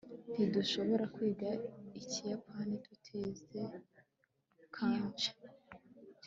ntidushobora kwiga ikiyapani tutize kanji